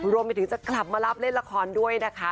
รวมไปถึงจะกลับมารับเล่นละครด้วยนะคะ